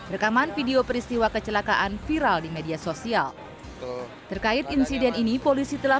rekaman video peristiwa kecelakaan viral di media sosial terkait insiden ini polisi telah